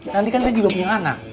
nanti kan saya juga punya anak